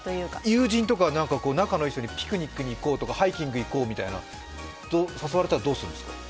友人とか仲のいい人にピクニック行こうとかハイキング行こうみたいな誘われたらどうするんですか？